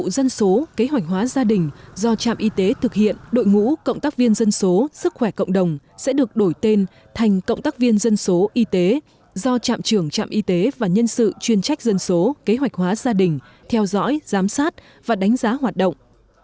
do trạm y tế thực hiện đội ngũ cộng tác viên dân số sức khỏe cộng đồng sẽ được đổi tên thành cộng tác viên dân số y tế do trạm trưởng trạm y tế và nhân sự chuyên trách dân số kế hoạch hóa gia đình theo dõi giám sát và đánh giá hoạt động